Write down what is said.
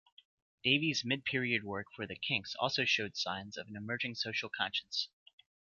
Davies' mid-period work for the Kinks also showed signs of an emerging social conscience.